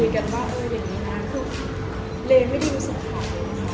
แล้วมันก็อาจจะดูน้องมาดีของก่อน